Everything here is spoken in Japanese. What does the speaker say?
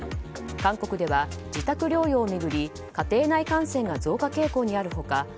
韓国では自宅療養を巡り家庭内感染が増加傾向にある他